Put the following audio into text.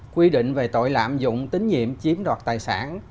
quy định về tội lạm dụng tín nhiệm chiếm đoạt tài sản